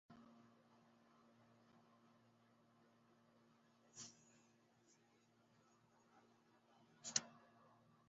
Yayongeddeko nti Pulezidenti si y’alondera Ssaabasajja Kabaka Baminisita be.